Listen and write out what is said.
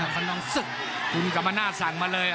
คนนองศึกคุณกรรมนาศสั่งมาเลย